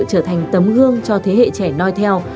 trở thành tấm gương cho thế hệ trẻ nói theo